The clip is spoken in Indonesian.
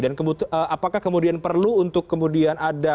dan kebutuhan apakah kemudian perlu untuk kemudian diperbaiki